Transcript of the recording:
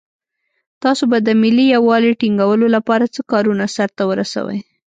تاسو به د ملي یووالي ټینګولو لپاره څه کارونه سرته ورسوئ.